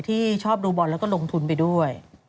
ที่ชอบดูบอลแล้วก็ลงทุนไปด้วย